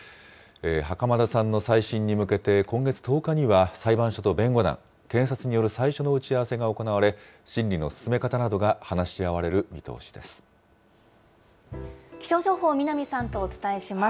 袴田さんの再審に向けて、今月１０日には裁判所と弁護団、検察による最初の打ち合わせが行われ、審理の進め方などが話し合気象情報、南さんとお伝えします。